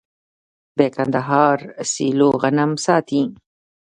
د کندهار سیلو غنم ساتي.